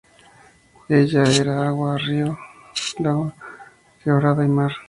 Ella era agua, era río, laguna, quebrada y mar.